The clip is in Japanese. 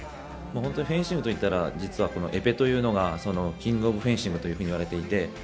フェンシングといったら実はエペというのがキングオブフェンシングといわれていて。